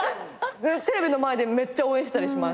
テレビの前でめっちゃ応援します。